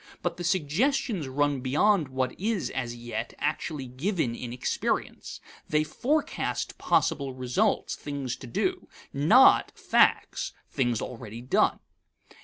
But the suggestions run beyond what is, as yet, actually given in experience. They forecast possible results, things to do, not facts (things already done).